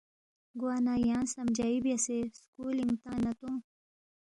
گوانہ یانگ سمجھائی بیاسے سکُولِنگ تان٘ید نہ تونگ